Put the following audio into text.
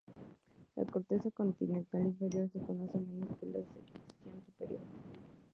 La corteza continental inferior se conoce menos que la sección superior.